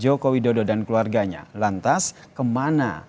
jokowi dodo dan keluarganya lantas kemana